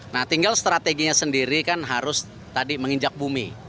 nah tinggal strateginya sendiri kan harus tadi menginjak bumi